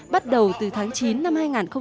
bắt đầu từ tháng chín năm hai nghìn một mươi sáu